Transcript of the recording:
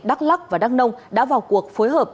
đắk lắc và đắk nông đã vào cuộc phối hợp